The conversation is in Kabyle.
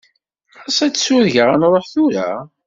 Ɣas ad ɣ-tsurgeḍ ad nṛuḥ tura?